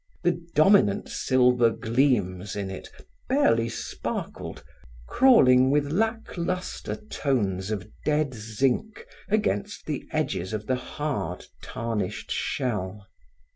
The dominant silver gleams in it barely sparkled, crawling with lack lustre tones of dead zinc against the edges of the hard, tarnished shell.